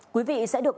quý vị sẽ được